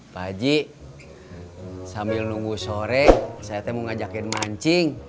pak aji sambil nunggu sore saya mau ajakin mancing